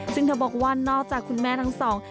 ซึ่งเธอบอกว่านอกจากคุณแม่ทั้งสอง